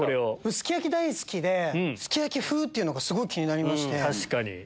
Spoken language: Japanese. すき焼き大好きですき焼き風っていうのがすごい気になりまして。